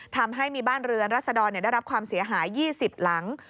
ทำให้มีบ้านเรือนรัศดรได้รับความเสียหาย๒๐หลัง